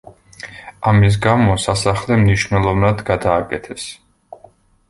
ამის გამო სასახლე მნიშვნელოვნად გადააკეთეს.